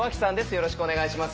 よろしくお願いします。